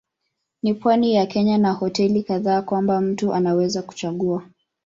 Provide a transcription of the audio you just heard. Ni pwani ya Kenya na hoteli kadhaa kwamba mtu anaweza kuchagua.